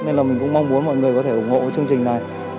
nên là mình cũng mong muốn mọi người có thể ủng hộ cái chương trình này